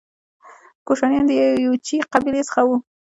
کوشانیان د یوچي قبیلې څخه وو